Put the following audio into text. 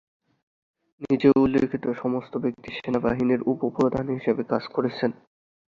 নিচে উল্লিখিত সমস্ত ব্যক্তি সেনাবাহিনীর উপ-প্রধান হিসাবে কাজ করেছেন।